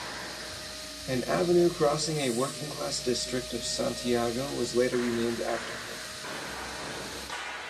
An avenue crossing a working class district of Santiago was later renamed after her.